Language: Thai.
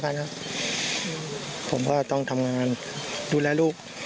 คุณอยากเห็นหน้ามันน้อยให้คนทำหรอ